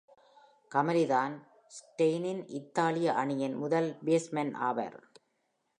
கமிலி தான் ஸ்டெய்னின் இத்தாலிய அணியின் முதல் பேஸ்மேன் ஆவார்.